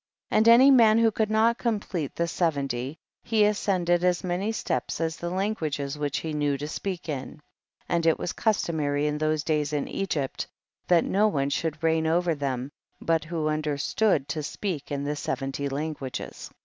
46. And any man who could not complete the seventy, he ascended as many steps as the languages which he knew to speak m, 47. And it was customary in those days in Egypt that no one should reign over them, but who understood to speak in the seventy languages.